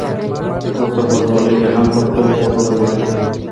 ورته غوږوالۍ يې هم په خپلو غوږو وې.